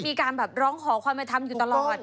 มีการแบบร้องขอความเป็นธรรมอยู่ตลอด